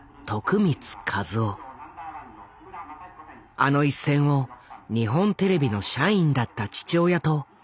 あの一戦を日本テレビの社員だった父親と共に見ていた。